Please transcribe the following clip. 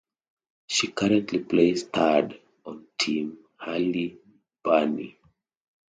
She currently plays third on Team Hailey Birnie.